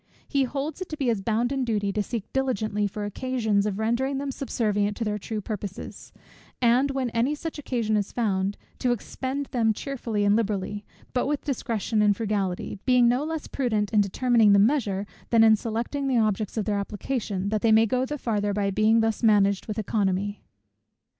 He holds it to be his bounden duty to seek diligently for occasions of rendering them subservient to their true purposes; and when any such occasion is found, to expend them cheerfully and liberally, but with discretion and frugality; being no less prudent in determining the measure, than in selecting the objects of their application, that they may go the farther by being thus managed with oeconomy.